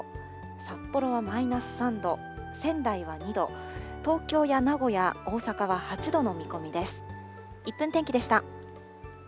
札幌はマイナス３度、仙台は２度、東京や名古屋、大阪は８度の見込みです。